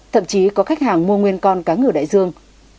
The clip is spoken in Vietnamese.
thậm chí có khách hàng mua nguyên con cá ngừ đại dương